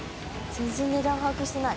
全然値段把握してない。